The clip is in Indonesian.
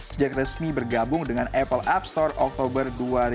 sejak resmi bergabung dengan apple app store oktober dua ribu dua puluh